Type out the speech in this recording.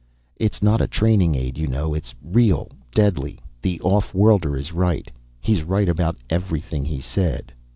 "It's not a training aid you know. It's real. Deadly. The off worlder is right. He's right about everything he said."